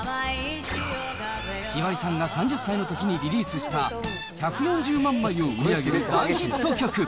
ひばりさんが３０歳のときにリリースした、１４０万枚を売り上げる大ヒット曲。